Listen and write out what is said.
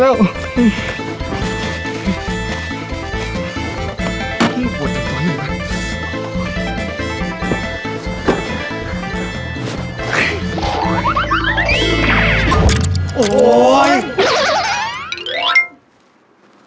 สวัสดีครับ